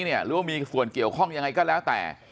หรือว่ามีส่วนเกี่ยวข้องยังไงก็แล้วแต่